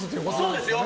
そうですよ。